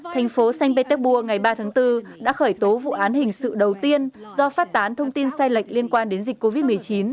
thành phố saint petersburg ngày ba tháng bốn đã khởi tố vụ án hình sự đầu tiên do phát tán thông tin sai lệch liên quan đến dịch covid một mươi chín